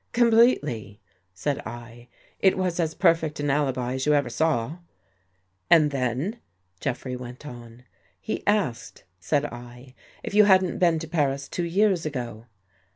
" Completely," said I. " It was as perfect an alibi as you ever saw." " And then? " Jeffrey went on. " He asked," said I, " if you hadn't been to Paris two years ago?